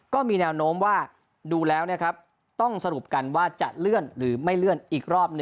ก็มีแนวโน้มว่าดูแล้วต้องสรุปกันว่าจะเลื่อนหรือไม่เลื่อนอีกรอบ๑